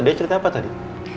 dia cerita apa tadi